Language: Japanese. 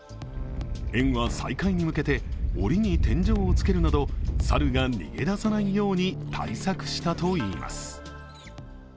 園は再開に向けておりに天井をつけるなど猿が逃げ出さないように対策したといいます。